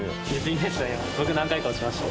僕何回か落ちました。